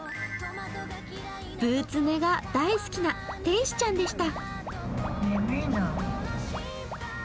ブーツ寝が大好きな天使ちゃんでした。